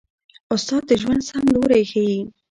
استاد د ژوند سم لوری ښيي.